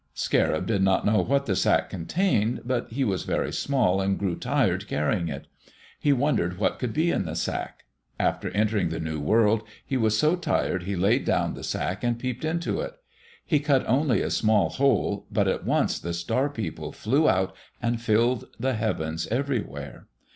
Scarab did not know what the sack contained, but he was very small and grew tired carrying it. He wondered what could be in the sack. After entering the new world he was so tired he laid down the sack and peeped into it. He cut only a tiny hole, but at once the Star People flew out and filled the heavens everywhere.